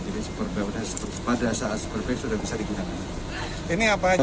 jadi super bag pada saat super bag sudah bisa digunakan